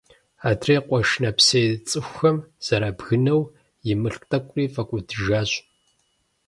Адрей къуэш нэпсейр цӀыхухэм зэрабгынэу, и мылъку тӀэкӀури фӀэкӀуэдыжащ.